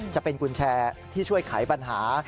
จะเป็นกุญแจที่ช่วยไขปัญหา